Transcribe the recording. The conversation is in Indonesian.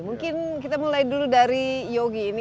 mungkin kita mulai dulu dari yogi ini